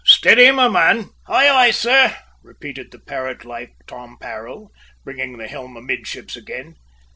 "Steady, my man!" "Aye, aye, sir," repeated the parrot like Tom Parrell, bringing the helm amidships again.